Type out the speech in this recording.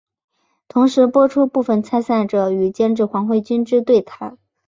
同时播出部分参赛者与监制黄慧君之对谈。